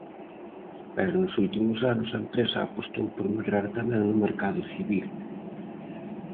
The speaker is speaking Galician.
Pero nos últimos anos a empresa apostou por medrar tamén no mercado civil.